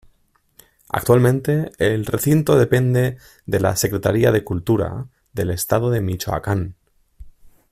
Actualmente el recinto depende de la Secretaría de cultura del estado de Michoacán.